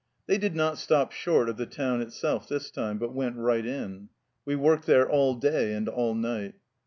They did not stop short of the town itself this time, but went right in. "We worked there all day and all night."